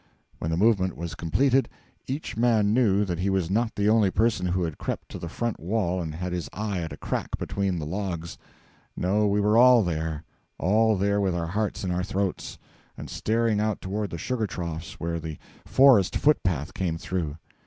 When the movement was completed, each man knew that he was not the only person who had crept to the front wall and had his eye at a crack between the logs. No, we were all there; all there with our hearts in our throats, and staring out toward the sugar troughs where the forest foot path came through.